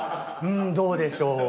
んどうでしょう。